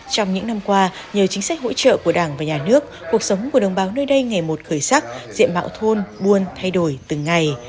trong những năm qua nhờ chính sách hỗ trợ của đảng và nhà nước cuộc sống của đồng bào nơi đây ngày một khởi sắc diện mạo thôn buôn thay đổi từng ngày